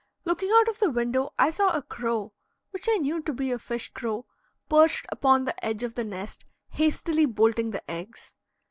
Looking out of the window I saw a crow, which I knew to be a fish crow, perched upon the edge of the nest, hastily bolting the eggs.